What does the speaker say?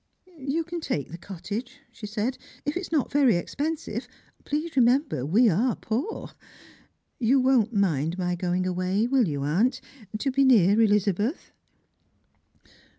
" You can take the cottage," she said, " if it is not very •expensive. Please remember that we are poor. You won't mind my going away, will you, aunt, to be near Elizabeth?